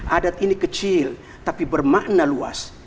adat ini kecil tapi bermakna luas